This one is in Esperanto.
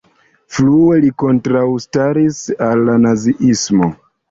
Frue li kontraŭstaris al la naziismo.